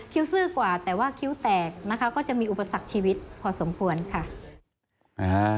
ซื่อกว่าแต่ว่าคิ้วแตกนะคะก็จะมีอุปสรรคชีวิตพอสมควรค่ะ